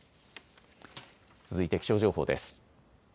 続いて気象情報です。